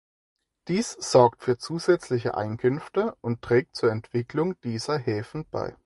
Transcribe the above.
Dies sorgt für zusätzliche Einkünfte und trägt zur Entwicklung dieser Häfen bei.